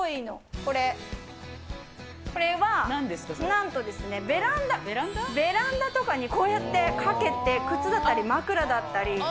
これ、これは、なんとですね、ベランダ、ベランダとかにこうやってかけて、靴だったり枕だったり。